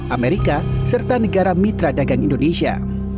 amerika serta negara mitra dagang indonesia